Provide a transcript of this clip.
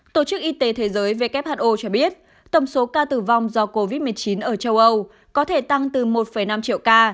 tổ chức y tế thế giới who cho biết tổng số ca tử vong do covid một mươi chín ở châu âu có thể tăng từ một năm triệu ca